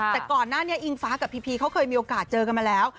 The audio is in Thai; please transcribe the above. แต่ก่อนหน้านี้อิงฟ้ากับพีพีเขาเคยมีโอกาสเจอกันมาแล้ว